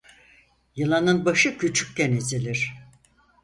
Yılanın başı küçükken ezilir.